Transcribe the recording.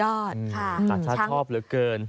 ต่างชาติชอบเหลือเกิน